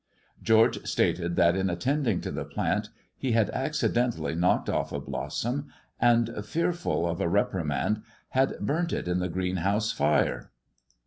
George stated that in attending to tbeij he had accidentally knocked off a blossom and, feerf a reprimand, had burnt it in the greenhouse fire.